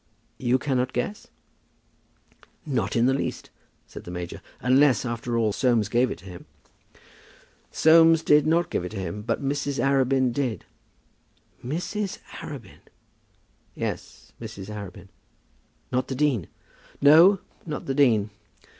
"You cannot guess?" "Not in the least," said the major; "unless, after all, Soames gave it to him." "Soames did not give it to him, but Mrs. Arabin did." "Mrs. Arabin?" "Yes, Mrs. Arabin." "Not the dean?" "No, not the dean.